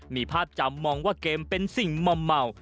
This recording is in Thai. มีภาพจำมองว่าเกมเป็นสิ่งมอมเมา